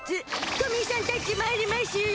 トミーしゃんタッチまいりましゅよ！